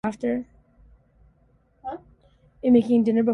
It was directed by Bernhard Wicki.